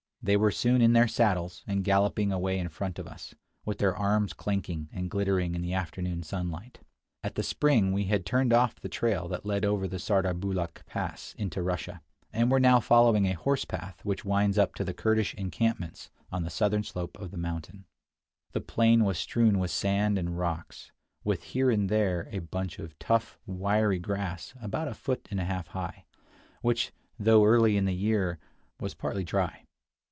They were soon in their saddles, and galloping away in front of us, with their arms clanking, and glittering in the afternoon sunlight. At the spring we had turned off the trail that led over the Sardarbulakh pass into Russia, and were now following a horse path which winds up to the Kurdish encampments on the southern slope of the mountain. The plain was strewn with sand and rocks, with here and there a bunch of tough, wiry grass about a foot and a half high, which, though early in the year, was partly dry.